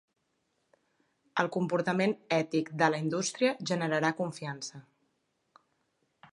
El comportament ètic de la indústria generarà confiança.